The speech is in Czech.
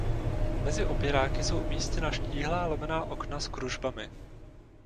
Mezi opěráky jsou umístěna štíhlá lomená okna s kružbami.